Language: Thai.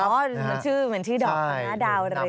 มีชื่อเหมือนที่ดอกดาวเหลือง